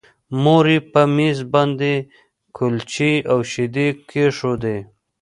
مور یې په مېز باندې کلچې او شیدې کېښودې